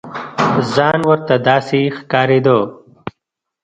ځان ورته داسې ښکارېده.